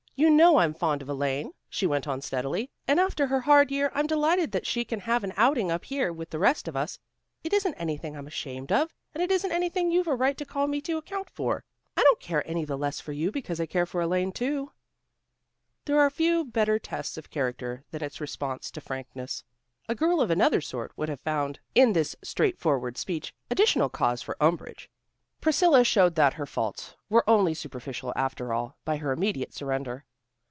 You know I'm fond of Elaine," she went on steadily, "and after her hard year, I'm delighted that she can have an outing up here with the rest of us. It isn't anything I'm ashamed of, and it isn't anything you've a right to call me to account for. I don't care any the less for you because I care for Elaine, too." There are few better tests of character than its response to frankness. A girl of another sort would have found in this straightforward speech additional cause for umbrage. Priscilla showed that her faults were only superficial after all, by her immediate surrender.